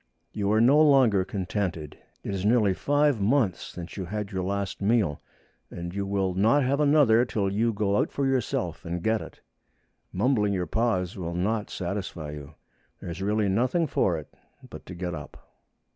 You are no longer contented. It is nearly five months since you had your last meal, and you will not have another till you go out for yourself and get it. Mumbling your paws will not satisfy you. There is really nothing for it but to get up.